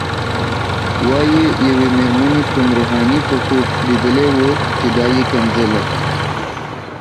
وايي یوې مېرمنې کوم روحاني په خوب لیدلی و چې دا یې ښکنځله.